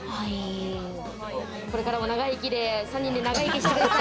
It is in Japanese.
これからも長生きで３人で長生きしてください。